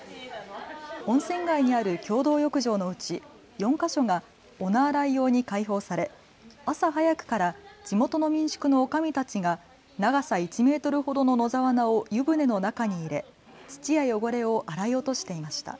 温泉街にある共同浴場のうち４か所がお菜洗い用に開放され朝早くから地元の民宿のおかみたちが長さ１メートルほどの野沢菜を湯船の中に入れ土や汚れを洗い落としていました。